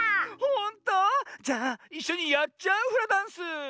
ほんと⁉じゃあいっしょにやっちゃうフラダンス？